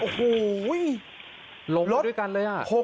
โอ้โหลงไปด้วยกันเลยหรือยัง